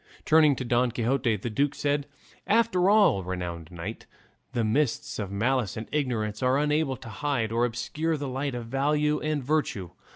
Turning to Don Quixote, the duke said, "After all, renowned knight, the mists of malice and ignorance are unable to hide or obscure the light of valour and virtue.